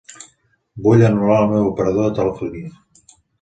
Vull anul·lar el meu operador de telefonia.